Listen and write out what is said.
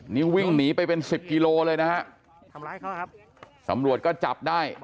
กินวิ่งหนีไปเป็น๑๐กิโลเลยนะครับสำรวจก็จับได้